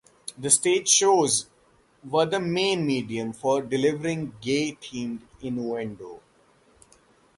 The stage shows were the main medium for delivering gay-themed innuendo.